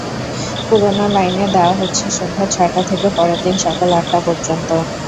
পুরোনো লাইনে দেওয়া হচ্ছে সন্ধ্যা ছয়টা থেকে পরের দিন সকাল আটটা পর্যন্ত।